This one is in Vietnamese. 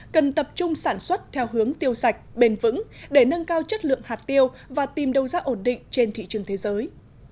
cần tập trung sản xuất theo hướng tiêu sạch bền vững để nâng cao chất lượng hạt tiêu và tìm đâu ra ổn định trên thị trường thế giới